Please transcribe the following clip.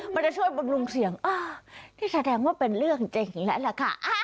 มันจะช่วยบรรก์นนี่แสดงว่าเป็นเรื่องเจ๋งแล้วล่ะค่ะ